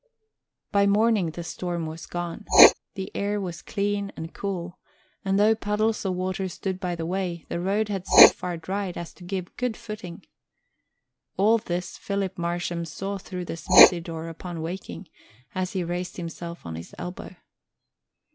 By morning the storm was gone. The air was clean and cool, and though puddles of water stood by the way, the road had so far dried as to give good footing. All this Philip Marsham saw through the smithy door, upon waking, as he raised himself on his elbow.